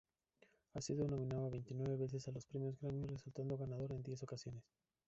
Ha sido nominado veintinueve veces a los premios Grammy, resultando ganador en diez ocasiones.